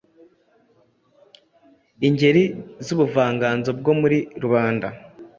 Ingeri z’ubuvanganzo bwo muri rubanda